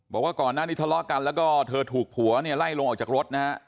บอกว่าก่อนหน้านี้ทะเลาะกันแล้วก็เธอถูกผัวเนี่ยไล่ลงออกจากรถนะฮะ